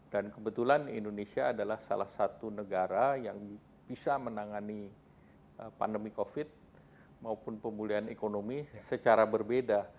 dan kebetulan indonesia adalah salah satu negara yang bisa menangani pandemi covid maupun pemulihan ekonomi secara berbeda